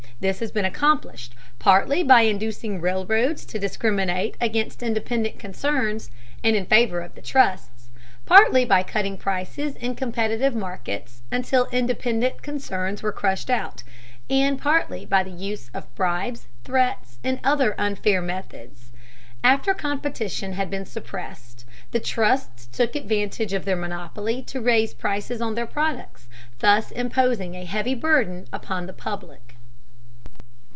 This has been accomplished, partly by inducing railroads to discriminate against independent concerns and in favor of the trusts, partly by cutting prices in competitive markets until independent concerns were crushed out, and partly by the use of bribes, threats, and other unfair methods. After competition had been suppressed, the trusts took advantage of their monopoly to raise prices on their products, thus imposing a heavy burden upon the public.